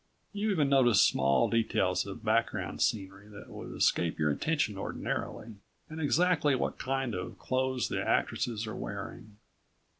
You even notice small details of background scenery that would escape your attention ordinarily, and exactly what kind of clothes the actresses are wearing.